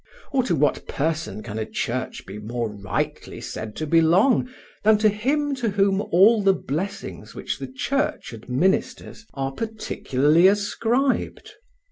Or to what Person can a church be more rightly said to belong than to Him to Whom all the blessings which the church administers are particularly ascribed?